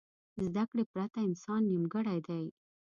زده کړې پرته انسان نیمګړی دی.